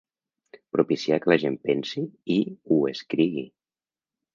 Propiciar que la gent pensi i ho escrigui.